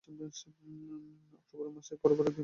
October মাসের পরে পরপর দুই মাস সার্বিক মূল্যস্ফীতি কমেছে।